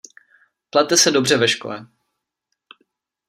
Plete se dobře ve škole.